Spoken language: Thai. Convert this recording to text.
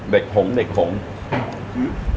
เด็กผมเด็กผม